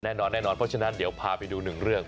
แน่นอนแน่นอนเพราะฉะนั้นเดี๋ยวพาไปดูหนึ่งเรื่อง